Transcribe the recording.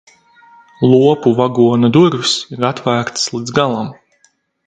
Lopu vagona durvis ir atvērtas līdz galam.